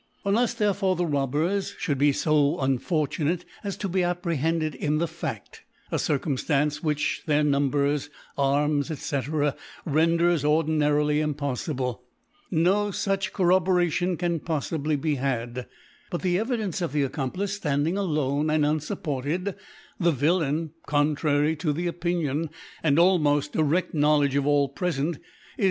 Unlefs cherefbre the Robbers (hould be fo uniormnate as. ^ be apprehended hn the vFaift, (a^Circumftaoce which their Nucnbers^ Arms, (^c, renders ordinarily impcflible) no fucti Corroboration can pofiibly be had ; but the Evidence of the Accomplice ftand ang alone and unfupported, the Yilliun, con'> trary to the Opinion^ and almoft direft Knowledge of all prefent, is.